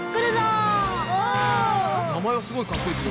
名前はすごいかっこいいけど。